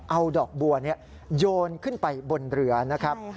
เอาดอกบัวโยนขึ้นไปบนเรือนะครับ